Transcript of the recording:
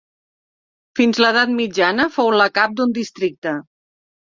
Fins a l'edat mitjana fou la cap d'un districte.